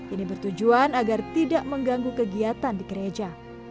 ini bertujuan agar tidak mengganggu kegiatan di gereja